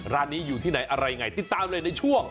ร้านนี้อยู่ที่ไหนอะไรยังไงติดตามเลยในช่วง